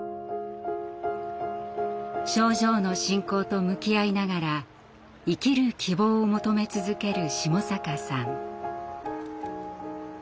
症状の進行と向き合いながら生きる希望を求め続ける下坂さん。